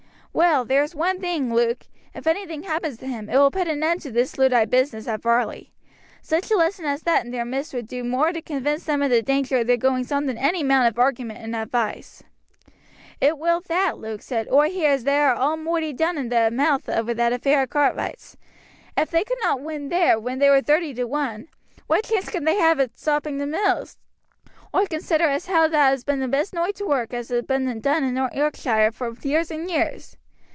"Well, there is one thing, Luke; if anything happens to him it will put an end to this Luddite business at Varley. Such a lesson as that in their midst would do more to convince them of the danger of their goings on than any amount of argument and advice." "It will that," Luke said. "Oi hear as they are all moighty down in the mouth over that affair at Cartwright's. If they could not win there, when they were thirty to one, what chance can they have o' stopping the mills? Oi consider as how that has been the best noight's work as ha' been done in Yorkshire for years and years.